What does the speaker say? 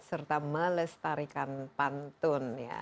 serta melestarikan pantun